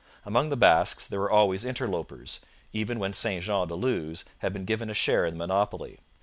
Among the Basques there were always interlopers, even when St Jean de Luz had been given a share in the monopoly.